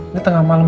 ini tengah malam